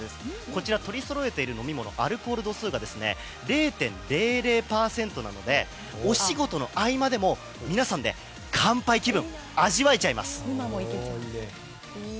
こちら取りそろえている飲み物はアルコール度数が０．００％なのでお仕事の合間でも皆さんで乾杯気分を味わえちゃいます。